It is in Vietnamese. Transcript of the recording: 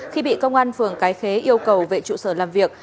khi bị công an phường cái khế yêu cầu về trụ sở làm việc